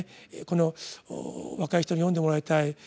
この若い人に読んでもらいたい。